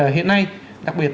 hiện nay đặc biệt